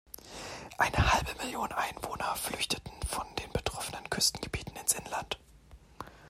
Eine halbe Million Einwohner flüchteten von den betroffenen Küstengebieten ins Inland.